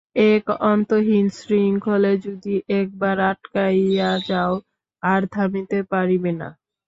এই অন্তহীন শৃঙ্খলে যদি একবার আটকাইয়া যাও, আর থামিতে পারিবে না।